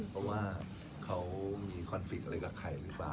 เพราะว่าเขามีคอนฟิกต์อะไรกับใครหรือเปล่า